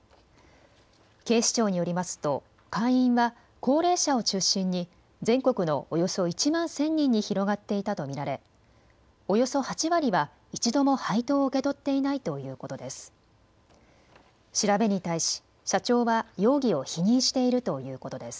警視庁によりますと会員は高齢者を中心に全国のおよそ１万１０００人に広がっていたと見られ、およそ８割は一度も配当を受け取っていないということです。